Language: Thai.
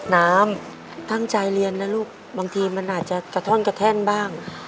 น้ำตั้งใจเรียนนะลูกบางทีมันอาจจะกระท่อนกระแท่นบ้าง